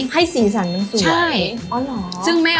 หรือ